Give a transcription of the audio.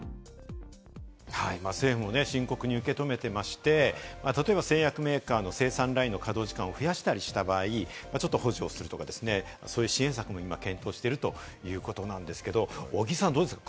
政府も深刻に受け止めてまして、例えば製薬メーカーの生産ラインの稼働時間を増やしたりした場合、ちょっと補助をするとか、そういった支援策も検討しているということなんですけれども、小木さん、どうですか？